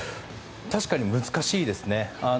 確かに難しいですね。